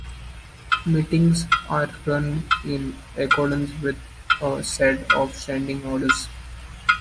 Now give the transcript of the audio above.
Meetings are run in accordance with a set of standing orders.